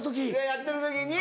やってる時に。